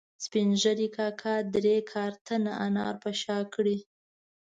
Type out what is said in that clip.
سپین ږیري کاکا درې کارتنه انار په شا کړي